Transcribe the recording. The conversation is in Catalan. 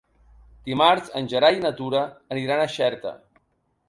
Dimarts en Gerai i na Tura aniran a Xerta.